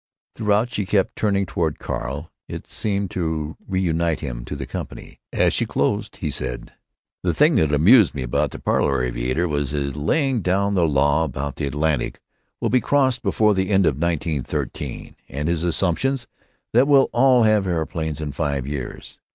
Throughout she kept turning toward Carl. It seemed to reunite him to the company. As she closed, he said: "The thing that amused me about the parlor aviator was his laying down the law that the Atlantic will be crossed before the end of 1913, and his assumption that we'll all have aeroplanes in five years.